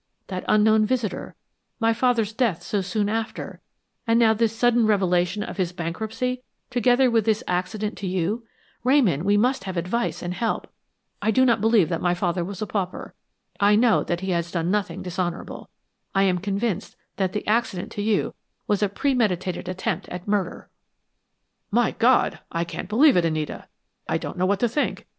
That unknown visitor, my father's death so soon after, and now this sudden revelation of his bankruptcy, together with this accident to you? Ramon, we must have advice and help. I do not believe that my father was a pauper. I know that he has done nothing dishonorable; I am convinced that the accident to you was a premeditated attempt at murder." "My God! I can't believe it, Anita; I don't know what to think.